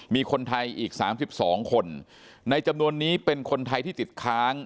มีคนไทยอีก๓๒คนในจำนวนนี้เป็นคนไทยที่ติดค้าง